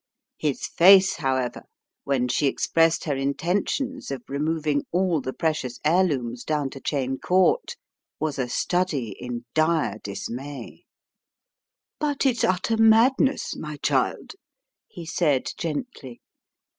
His face, however, when she expressed her inten tions of removing all the precious heirlooms down to Cheyne Court, was a study in dire dismay. But it's utter madness, my child!" he said gently.